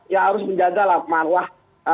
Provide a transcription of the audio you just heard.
ya harus menjagalah marwah